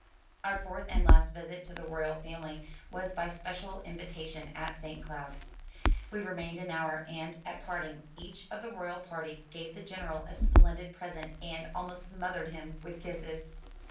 Our fourth and last visit to the royal family was by special in vitation, at St. Cloud. We remained an hour, and, at parting, each of the royal party gave the General a splendid present and almost smothered him with kisses.